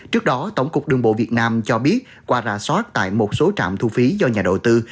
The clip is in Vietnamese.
trước đó tổng cục đường bộ việt nam cho biết qua rà soát tại một số trạm thu phí do nhà đầu tư